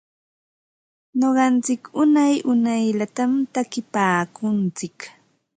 Nuqantsik unay unayllatam takinpaakuntsik.